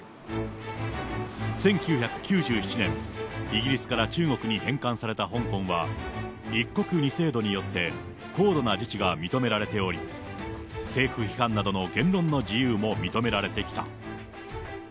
１９９７年、イギリスから中国に返還された香港は、一国二制度によって高度な自治が認められており、政府批判などの言論の自由も認められてきた。